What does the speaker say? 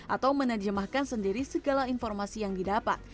atau menerjemahkan sendiri segala informasi yang didapat